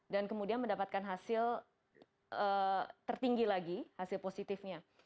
dan kemudian mendapatkan hasil tertinggi lagi hasil positifnya